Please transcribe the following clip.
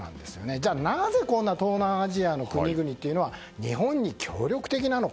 じゃあ、なぜ東南アジアの国々というのは日本に協力的なのか。